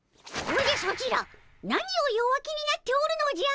おじゃソチら何を弱気になっておるのじゃ！